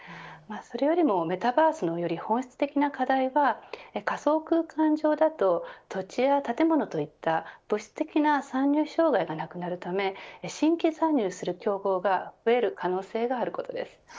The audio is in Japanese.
それよりもメタバースのより本質的な課題は仮想空間上だと土地や建物といった物質的な参入障害がなくなるため新規参入する競合が増える可能性があることです。